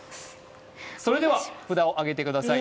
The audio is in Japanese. それでは札をあげてください